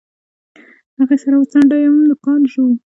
هغې سر وڅنډه ويم نوکان ژوو.